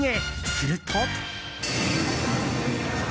すると。